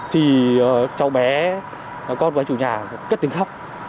thì cháu bé con của anh chủ nhà kết tiếng khóc